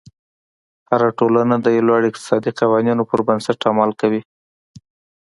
هره ټولنه د یو لړ اقتصادي قوانینو پر بنسټ عمل کوي.